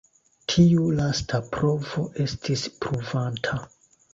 Tiu lasta provo estis pruvanta.